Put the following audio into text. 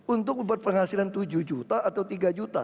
untuk berpenghasilan tujuh juta atau tiga juta